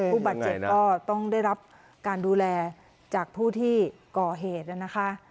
ผู้บาดเจ็บก็ต้องได้รับการดูแลจากผู้ที่ก่อเหตุนะคะ